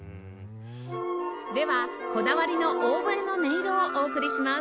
ではこだわりのオーボエの音色をお送りします